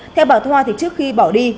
theo bà thoa thì trước khi bỏ đi